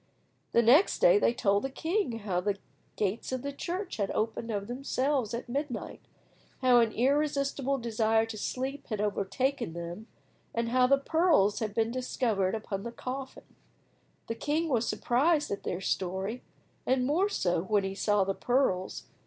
The next day they told the king how the gates of the church had opened of themselves at midnight, how an irresistible desire to sleep had overtaken them, and how the pearls had been discovered upon the coffin. The king was surprised at their story, and more so when he saw the pearls.